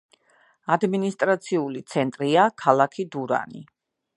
ადმინისტრაციული ცენტრია ქალაქი დურანი.